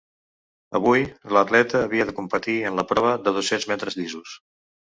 Avui, l’atleta havia de competir en la prova dels dos-cents metres llisos.